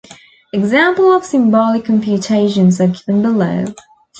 Examples of symbolic computations are given below.